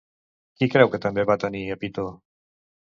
Qui creu que també va tenir a Pitó?